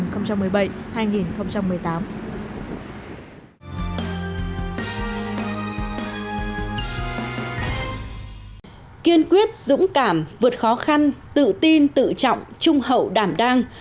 kiên quyết dũng cảm vượt khó khăn tự tin tự trọng trung hậu đảm đang